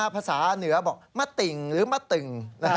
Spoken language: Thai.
ภาษาเหนือบอกมะติ่งหรือมะติ่ง